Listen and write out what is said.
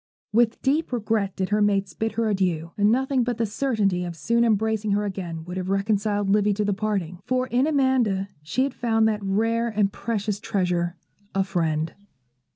With deep regret did her mates bid her adieu, and nothing but the certainty of soon embracing her again would have reconciled Livy to the parting; for in Amanda she had found that rare and precious treasure, a friend.